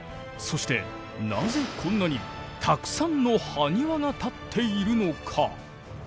そしてなぜこんなにたくさんのハニワが立っているのか？